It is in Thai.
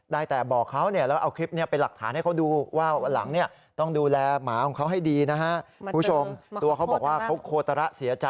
ได้แต่บอกเขาเนี่ยแล้วเอาคลิปนี้เป็นหลักฐานให้เขาดูว่าวันหลังเนี่ย